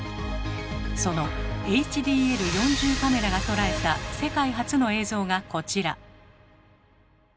そのＨＤＬ−４０カメラが捉えた世界初の映像がこちら。